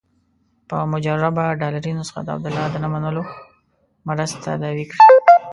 په مجربه ډالري نسخه د عبدالله د نه منلو مرض تداوي کړي.